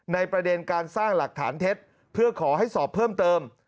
ประเด็นการสร้างหลักฐานเท็จเพื่อขอให้สอบเพิ่มเติม